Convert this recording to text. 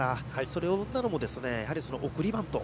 それを打ったのもやはり送りバント。